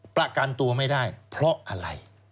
ประกันตัวไม่ได้เพราะอะไร